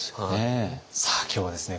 さあ今日はですね